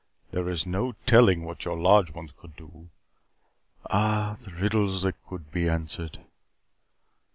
There is no telling what your large ones could do. Ah, the riddles that could be answered."